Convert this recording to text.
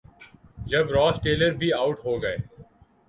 جب Ross Taylor بھی out ہو گئے۔